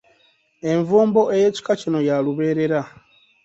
Envumbo ey'ekika kino ya lubeerera.